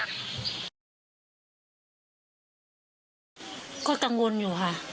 ก็กังวลอยู่ค่ะ